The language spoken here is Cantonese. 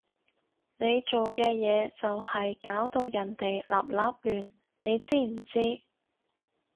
你做嘅嘢就係搞到人哋立立亂，你知唔知？